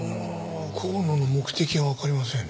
香野の目的がわかりませんね。